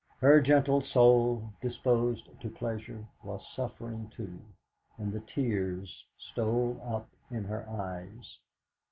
Her gentle soul, disposed to pleasure, was suffering, too, and the tears stole up in her eyes.